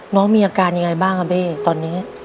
น้องมีอาการยังไงบ้างครับเบ้ตอนนี้